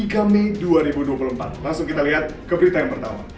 langsung kita lihat ke berita yang pertama